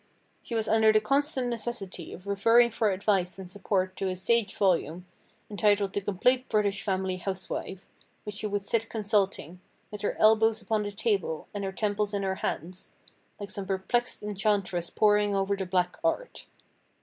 "She was under the constant necessity of referring for advice and support to a sage volume, entitled 'The Complete British Family Housewife,' which she would sit consulting, with her elbows upon the table, and her temples in her hands, like some perplexed enchantress poring over the Black Art.